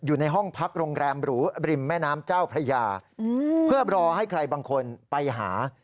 อยู่ในห้องพักโรงแรมหรูริมแม่น้ำเจ้าพระยาเพื่อรอให้ใครบางคนไปหา